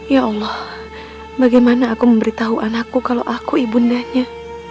ya allah bagaimana aku memberitahu anakku kalau aku ibundanya